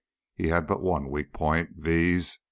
He had but one weak point viz.